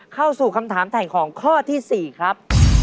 เข้าสู่คำถามถ่ายของข้อที่๔ครับ